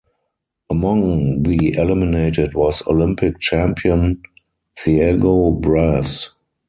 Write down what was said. Among the eliminated was Olympic champion Thiago Braz.